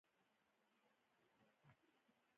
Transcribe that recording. ساره په چلبازۍ کې لومړی مقام لري.